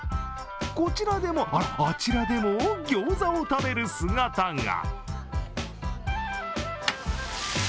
こちらでも、あちらでも、ギョーザを食べる姿が。